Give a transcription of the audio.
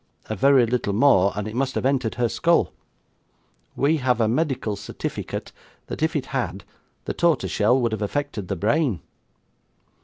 A very little more and it must have entered her skull. We have a medical certifiket that if it had, the tortershell would have affected the brain.